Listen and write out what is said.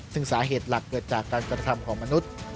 ซึ่งสาเหตุหลักเกิดจากการกระทำของมนุษย์